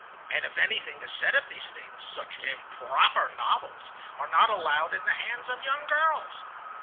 "And if anything is said of these things, such improper novels are not allowed in the hands of young girls.